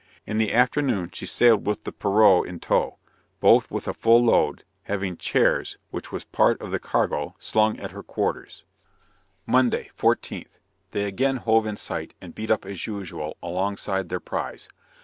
In the afternoon she sailed with the perough in tow, both with a full load, having chairs, which was part of the cargo, slung at her quarters. Monday, 14th. They again hove in sight, and beat up as usual, along side their prize.